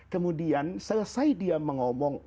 kemudian selesai dia mengomong